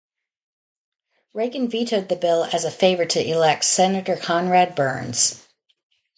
Reagan vetoed the bill as a favor to elect Senator Conrad Burns.